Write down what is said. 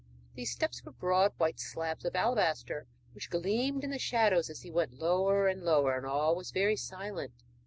The steps were broad white slabs of alabaster which gleamed in the shadows as he went lower and lower. All was very silent.